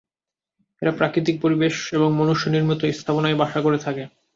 এরা প্রাকৃতিক পরিবেশে এবং মনুষ্য নির্মিত স্থাপনায় বাসা করে থাকে।